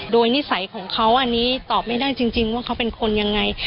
โดยนิสัยของเขาอันนี้ตอบไม่ได้จริงว่าเขาเป็นคนยังไง